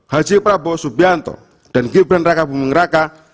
haji prabowo subianto dan gibran raka buming raka